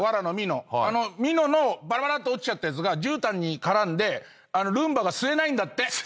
みののばらばらって落ちたやつがじゅうたんに絡んでルンバが吸えないんだって。